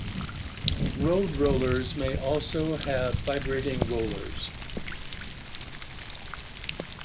Road rollers may also have vibrating rollers.